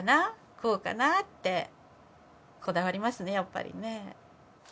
こうかな？」ってこだわりますねやっぱりね。